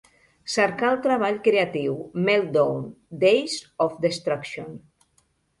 cercar el treball creatiu Meltdown – Days of Destruction